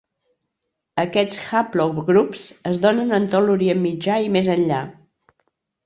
Aquests haplogrups es donen en tot l'Orient Mitjà i més enllà.